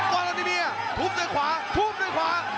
วาลานิเมียทุบในขวาทุบในขวา